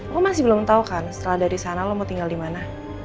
lo masih belum tau kan setelah dari sana lo mau tinggal dimana